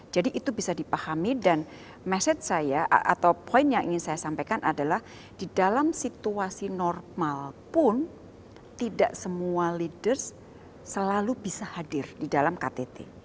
jadi itu bisa dipahami dan poin yang ingin saya sampaikan adalah di dalam situasi normal pun tidak semua leaders selalu bisa hadir di dalam ktt